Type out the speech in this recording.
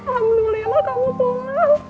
alhamdulillah kamu pulang